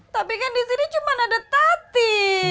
tapi kan disini cuma ada tati